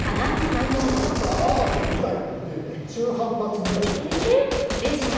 ちょっと頭が痛いので中反発ぐらいの。え！